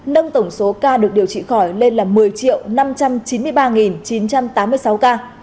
nâng tổng số ca được điều trị khỏi lên là một mươi năm trăm chín mươi ba chín trăm tám mươi sáu ca